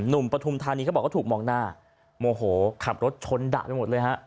ปฐุมธานีเขาบอกว่าถูกมองหน้าโมโหขับรถชนดะไปหมดเลยฮะ